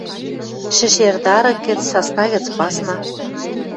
Шӹшер-тарык гӹц, сасна гӹц пасна